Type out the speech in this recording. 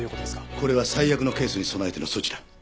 これは最悪のケースに備えての措置だ。